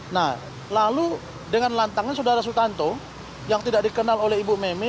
nah lalu dengan lantangan saudara sutanto yang tidak dikenal oleh ibu meme